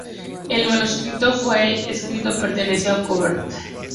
El manuscrito fue escrito perteneció a Colbert.